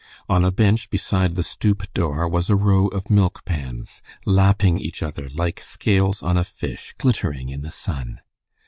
On a bench beside the "stoop" door was a row of milk pans, lapping each other like scales on a fish, glittering in the sun.